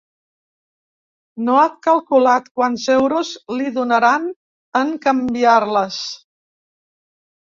No ha calculat quants euros li donaran en canviar-les.